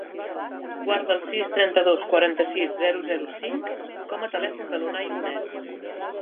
Guarda el sis, trenta-dos, quaranta-sis, zero, zero, cinc com a telèfon de l'Unay Bonet.